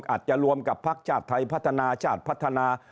อาจจะรวมกับพักชาติไทยพัฒนาชาติพัฒนา